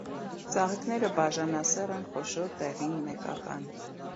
Ծաղիկները բաժանասեռ են, խոշոր, դեղին, մեկական։